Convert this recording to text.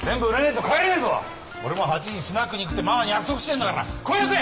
俺も８時にスナックに行くってママに約束してんだから声出せ！